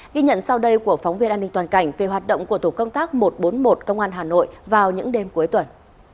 ghi nhận sau đây của phóng viên an ninh toàn cảnh về hoạt động của tổ công tác một trăm bốn mươi một công an hà nội vào những đêm cuối tuần